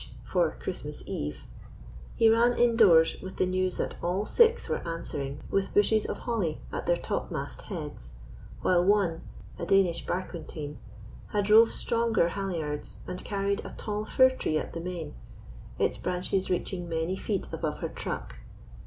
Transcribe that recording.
H. for "Christmas Eve"), he ran indoors with the news that all six were answering with bushes of holly at their topmast heads, while one a Danish barquentine had rove stronger halliards and carried a tall fir tree at the main, its branches reaching many feet above her truck.